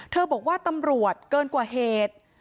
บอกว่าตำรวจเกินกว่าเหตุ